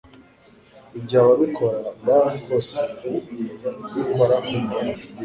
igihe ababikora bahise bikora ku munwa